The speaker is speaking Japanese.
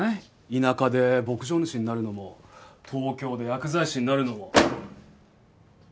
田舎で牧場主になるのも東京で薬剤師になるのも。